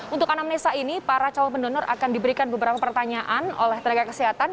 untuk anamnesa ini para calon pendonor akan diberikan beberapa pertanyaan oleh tenaga kesehatan